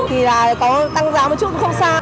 thì là có tăng giá một chút cũng không xa